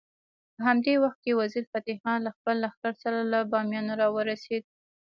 په همدې وخت کې وزیر فتح خان له خپل لښکر سره له بامیانو راورسېد.